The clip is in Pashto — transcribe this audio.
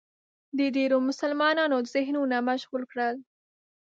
د ډېرو مسلمانانو ذهنونه مشغول کړل